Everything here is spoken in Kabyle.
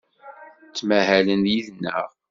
Ttmahalen yid-neɣ.